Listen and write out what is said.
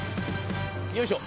よいしょ！